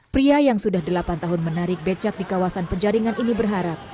pria yang sudah delapan tahun menarik becak di kawasan penjaringan ini berharap